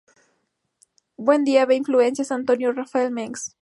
Buendía ve influencias de Anton Raphael Mengs.